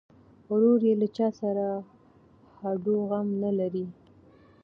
ورور یې له چا سره هډوغم نه لري.